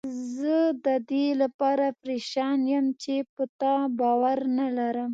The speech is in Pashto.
زه ددې لپاره پریشان یم چې په تا باور نه لرم.